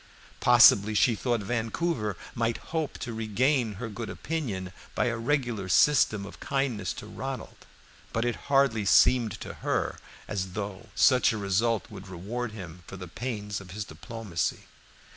Possibly she thought Vancouver might hope to regain her good opinion by a regular system of kindness to Ronald; but it hardly seemed to her as though such a result would reward him for the pains of his diplomacy.